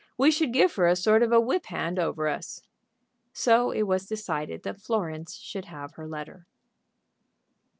We should give her a sort of a whip hand over us." So it was decided that Florence should have her letter.